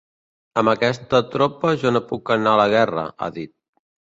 Amb aquesta tropa jo no puc anar a la guerra, ha dit.